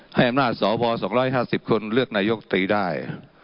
ให้อำนาจสว๒๕๐คนเลือกนายกตรีได้